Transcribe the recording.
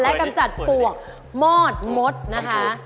กำจัดปวกมอดมดนะคะ